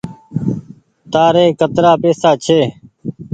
تآري ڪترآ پئيسا ڇي۔